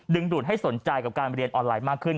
ดูดให้สนใจกับการเรียนออนไลน์มากขึ้น